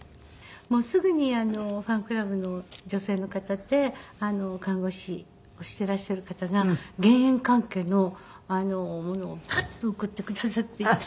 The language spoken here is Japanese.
もうすぐにファンクラブの女性の方で看護師をしていらっしゃる方が減塩関係のものをパッと送ってくださって痛い。